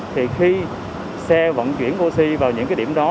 thì khi xe vận chuyển oxy vào những cái điểm đó